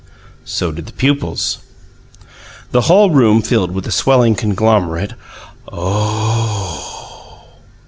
So did the pupils. The whole room filled with a swelling conglomerate "O O O O H!"